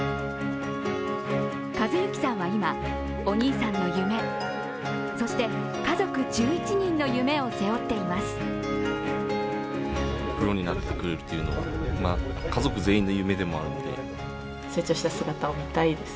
寿志さんは今、お兄さんの夢そして、家族１１人の夢を背負っています。